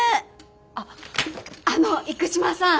あっあの生島さん。